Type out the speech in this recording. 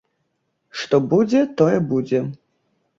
Што будзе, тое будзе.